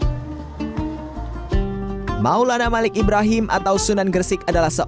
sebagai seorang pemerintah maulana malik ibrahim atau sunan gersik adalah seorang pemerintah yang berwujud di kota gersik